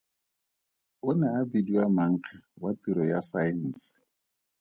O ne a bidiwa Mankge wa Tiro ya Saense.